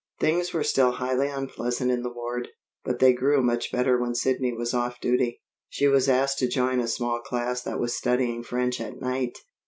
Things were still highly unpleasant in the ward, but they grew much better when Sidney was off duty. She was asked to join a small class that was studying French at night.